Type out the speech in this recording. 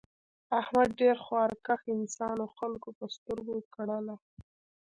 احمد ډېر خواریکښ انسان و خلکو په سترگو کړلا.